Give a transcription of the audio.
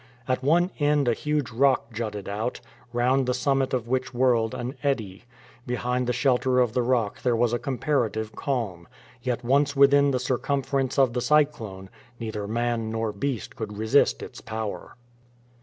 At one end a huge rock jutted out, round the summit of which whirled an eddy. Behind the shelter of the rock there was a comparative calm; yet once within the circumference of the cyclone, neither man nor beast could resist its power.